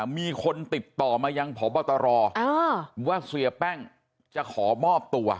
มีคนติดต่อมายังพบตรว่าเสียแป้งจะขอมอบตัว